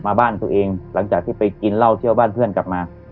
บ้านตัวเองหลังจากที่ไปกินเหล้าเที่ยวบ้านเพื่อนกลับมา